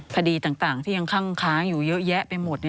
คดีต่างที่ยังคั่งค้างอยู่เยอะแยะไปหมด